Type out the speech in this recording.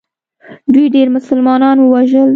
دوی ډېر مسلمانان ووژل.